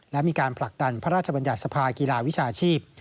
และมีการผลักดันพระราชบัญญัติสภากีฬาวิชาชีพ